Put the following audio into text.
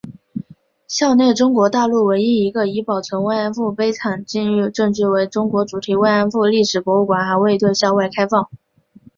校内中国大陆唯一一个以保存“慰安妇”悲惨境遇证据为主题的中国“慰安妇”历史博物馆还未对校外开放。